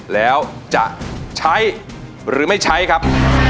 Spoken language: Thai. แล้วจะใช้หรือไม่ใช้ครับ